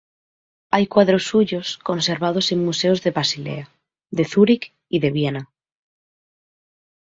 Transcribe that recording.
Hay cuadros suyos conservados en museos de Basilea, de Zúrich y de Viena.